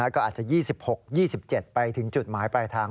ก็อาจจะ๒๖๒๗ไปถึงจุดหมายปลายทาง